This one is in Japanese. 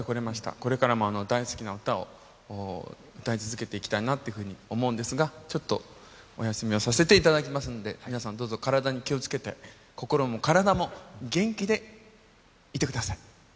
これからも大好きな歌を歌い続けていきたいなというふうに思うんですが、ちょっとお休みをさせていただきますので、皆さん、どうぞ体に気をつけて心も体も元気でいてください。